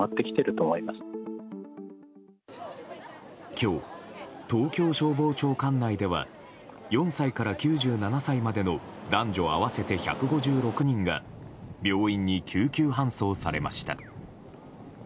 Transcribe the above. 今日、東京消防庁管内では４歳から９７歳までの男女合わせて１５６人が病院に救急搬送されました。